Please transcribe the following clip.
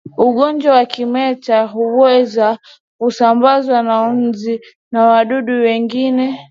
Ugonjwa wa kimeta huweza kusambazwa na nzi na wadudu wengine